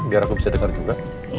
biar aku bisa dengar juga